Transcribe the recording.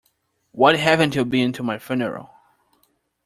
Why haven't you been to my funeral?